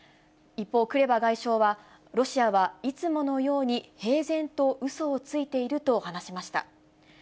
一方、クレバ外相は、ロシアはいつものように平然とうそをついていると話しました。